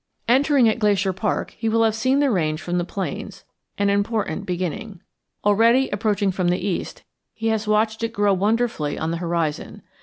Entering at Glacier Park, he will have seen the range from the plains, an important beginning; already, approaching from the east, he has watched it grow wonderfully on the horizon.